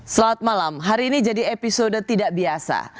selamat malam hari ini jadi episode tidak biasa